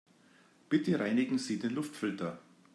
Bitte reinigen Sie den Luftfilter.